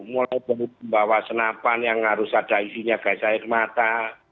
mulai dari pembawa senapan yang harus ada isinya gas air mata